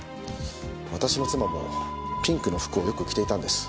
私の妻もピンクの服をよく着ていたんです。